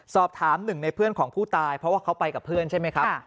สอบถามหนึ่งในเพื่อนของผู้ตายเพราะว่าเขาไปกับเพื่อนใช่ไหมครับ